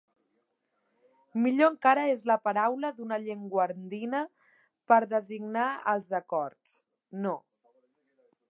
Millor encara és la paraula d'una llengua andina per designar els acords: No.